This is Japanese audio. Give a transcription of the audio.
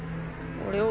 俺を！